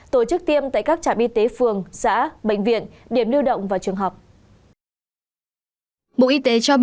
tổ chức tiêm tại các trạm y tế phường xã bệnh viện điểm lưu động và trường học